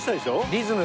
リズム。